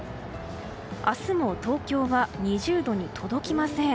明日も東京は２０度に届きません。